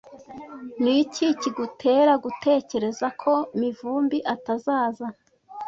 Niki kigutera gutekereza ko Mivumbi atazaza?